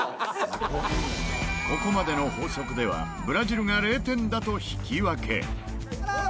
ここまでの法則ではブラジルが０点だと引き分け。